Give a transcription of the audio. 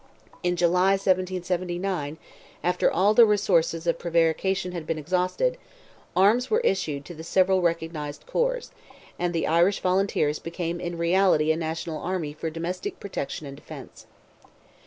In July, 1779, after all the resources of prevarication had been exhausted, arms were issued to the several recognized corps, and the Irish volunteers became in reality a national army for domestic protection and defence.